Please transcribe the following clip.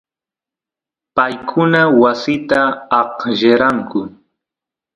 paykuna wasita aqllaranku